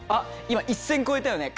今一線越えたよね